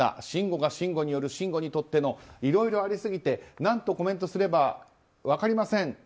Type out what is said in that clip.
慎吾が慎吾による慎吾にとっての。いろいろありすぎて何てコメントをすれば分かりません。